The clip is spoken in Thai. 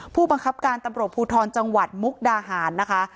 ผู้บังคับการตำรวจภูทรจังหวัดมุกดาหารนะคะ